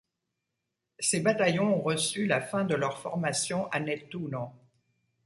Ces bataillons ont reçu la fin de leur formation à Nettuno.